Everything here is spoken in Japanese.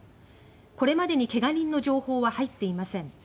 これまでにけが人の情報は入っていません。